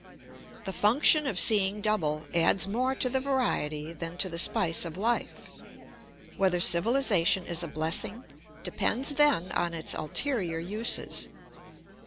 The function of seeing double adds more to the variety than to the spice of life. Whether civilisation is a blessing depends, then, on its ulterior uses.